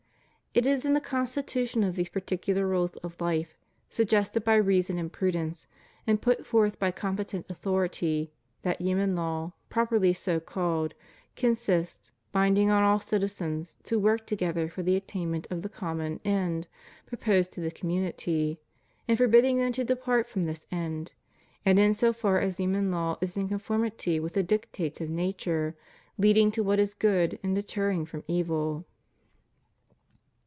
It is in the constitution of these particular rules of life, suggested by reason and prudence, and put forth by competent authority, that himian law, properly so called, consists, binding all citi zens to work together for the attainment of the common end proposed to the community, and forbidding them to depart from this end; and in so far as human law is in conformity with the dictates of nature, leading to what is good, and deterring from evil.